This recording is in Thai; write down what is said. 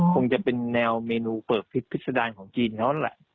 คงจะเป็นแนวเมนูเปิบพิษพิษดารของจีนเขานั่นแหละ